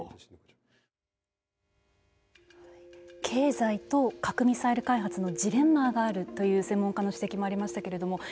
経済と核・ミサイル開発のジレンマがあるという専門家の指摘もありましたけれども